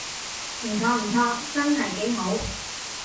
唔錯唔錯，真係幾好